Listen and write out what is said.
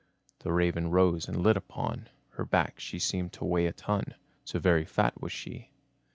The Raven rose, and lit upon Her back. She seemed to weigh a ton So very fat was she.